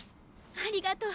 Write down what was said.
ありがとう。